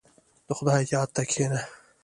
• د خدای یاد ته کښېنه.